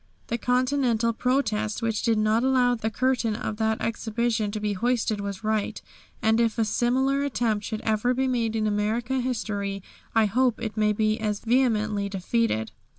The Continental protest which did not allow the curtain of that exhibition to be hoisted was right, and if a similar attempt should ever be made in America I hope it may be as vehemently defeated.